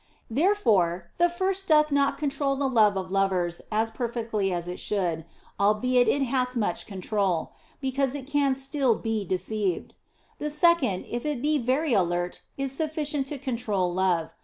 Therefore, the first doth not control the love of lovers as perfectly as it should (albeit it hath much control), because it can still be deceived. The second, if it be very alert, is sufficient to control love.